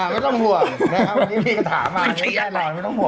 ไม่ต้องห่วงวันนี้มีกระถามาไม่ต้องห่วง